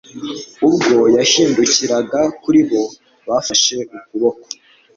Ubwo yahindukiraga kuri bo bafashe ukuboko